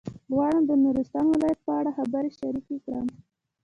غواړم د نورستان ولایت په اړه خبرې شریکې کړم.